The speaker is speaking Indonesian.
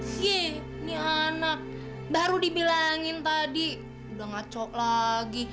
sih ini anak baru dibilangin tadi udah ngacok lagi